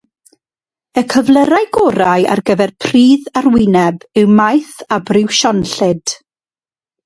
Y cyflyrau gorau ar gyfer pridd arwyneb yw maith a briwsionllyd.